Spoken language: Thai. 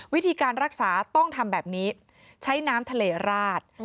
วิธีการรักษาต้องทำแบบนี้ใช้น้ำทะเลราด